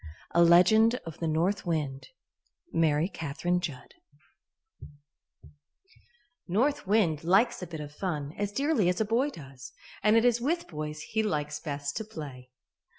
A Legend of the North Wind MARY CATHERINE JUDD North wind likes a bit of fun as dearly as a boy does, and it is with boys he likes best to play.